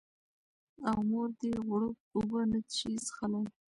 او مور دې غوړپ اوبه نه شي څښلی